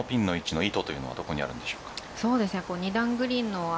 宮里さん、ここのピンの位置の意図というのはどこにあるんでしょうか。